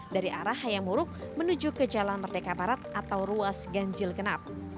dari arah hayamuruk menuju ke jalan merdeka barat atau ruas ganjil genap